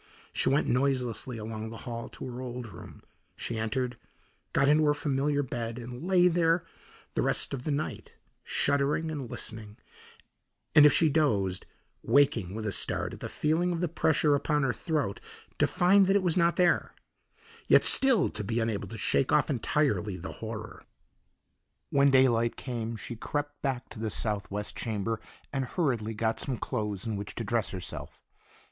She went noiselessly along the hall to her own old room: she entered, got into her familiar bed, and lay there the rest of the night shuddering and listening, and if she dozed, waking with a start at the feeling of the pressure upon her throat to find that it was not there, yet still to be unable to shake off entirely the horror. When daylight came she crept back to the southwest chamber and hurriedly got some clothes in which to dress herself.